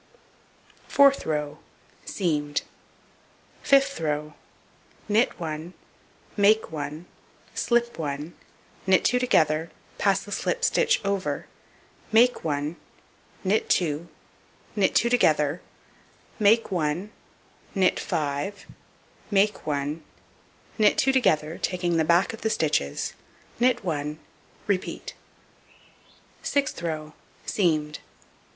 Fourth row: Seamed. Fifth row: Knit 1, make 1, slip 1, knit 2 together, pass the slipped stitch over, make 1, knit 2, knit 2 together, make 1, knit 5, make 1, knit 2 together, taking the back of the stitches, knit 1; repeat. Sixth row: Seamed.